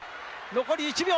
残り１秒。